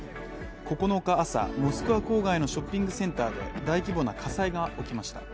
９日朝、モスクワ郊外のショッピングセンターで大規模な火災が起きました。